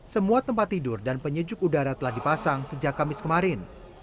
semua tempat tidur dan penyejuk udara telah dipasang sejak kamis kemarin